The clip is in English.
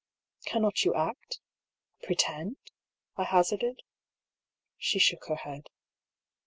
" Cannot you act — pretend ?" I hazarded. She shook her head.